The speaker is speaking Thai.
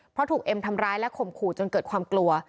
เพราะถูกเอ็มทำร้ายและข่มขู่จนเกิดความกลัว